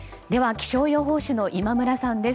気象予報士の今村さんです